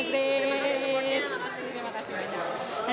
terima kasih banyak